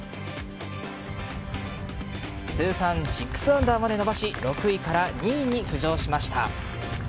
通算６アンダーまで伸ばし６位から２位に浮上しました。